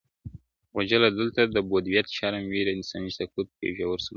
غوجله دلته د بدويت شرم وېري او انساني سقوط يو ژور سمبول ګرځي,